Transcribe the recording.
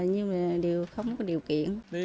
nhưng mà không có điều kiện